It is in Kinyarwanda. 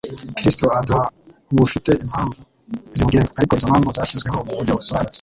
Kristo aduha bufite impamwu zibugenga, ariko izo mpamvu zashyiweho mu buryo busobanutse.